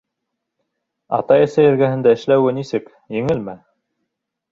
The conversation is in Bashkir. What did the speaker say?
— Атай-әсәй эргәһендә эшләүе нисек, еңелме?